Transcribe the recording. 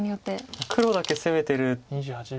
黒だけ攻めてる。